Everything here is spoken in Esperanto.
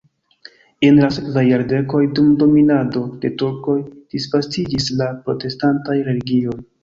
En la sekvaj jardekoj dum dominado de turkoj disvastiĝis la protestantaj religioj.